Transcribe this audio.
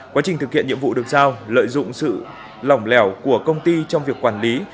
quá trình thực hiện nhiệm vụ được giao lợi dụng sự lỏng lẻo của công ty trong việc quản lý